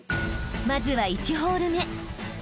［まずは１ホール目］